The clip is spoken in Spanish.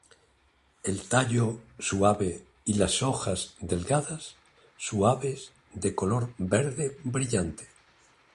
El tallo suave y las hojas delgadas, suaves de color verde brillante.